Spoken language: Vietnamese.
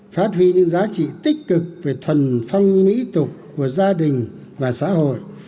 phát huy những giá trị tích cực về thuần phong mỹ tục của gia đình và xã hội